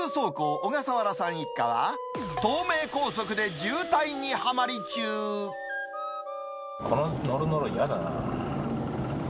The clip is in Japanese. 小笠原さん一家は、こののろのろ嫌だな。